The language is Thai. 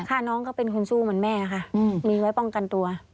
ค่ะน้องก็เป็นคนสู้เหมือนแม่ค่ะมีไว้ป้องกันตัว